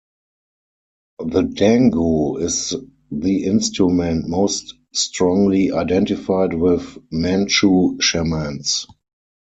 The "dangu" is the instrument most strongly identified with Manchu shamans.